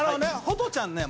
ホトちゃんね。